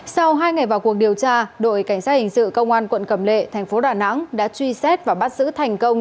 sau hai ngày vào cuộc điều tra đội cảnh sát hình sự công an quận cầm lệ thành phố đà nẵng đã truy xét và bắt giữ thành công